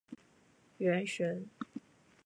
原神